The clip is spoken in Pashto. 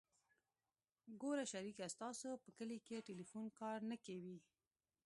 ګوره شريکه ستاسو په کلي کښې ټېلفون کار نه کيي.